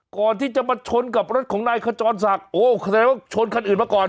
ก่อนที่จะมาชนกับรถของนายขจรศักดิ์โอ้แสดงว่าชนคันอื่นมาก่อน